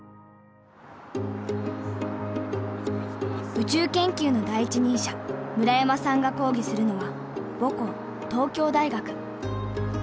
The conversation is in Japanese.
宇宙研究の第一人者村山さんが講義するのは母校東京大学。